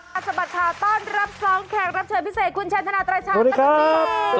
สวัสดีค่ะต้อนรับสองแขกรับเชิญพิเศษคุณชันธนาตรายชาวสวัสดีครับ